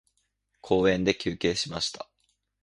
公園で休憩しました。